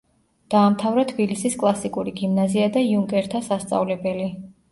დაამთავრა თბილისის კლასიკური გიმნაზია და იუნკერთა სასწავლებელი.